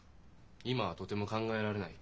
「今はとても考えられない」。